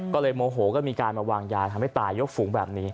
ก็เลยโมโหก็มีการมาวางยาทำให้ตายยกฝูงแบบนี้